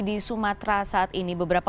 di sumatera saat ini beberapa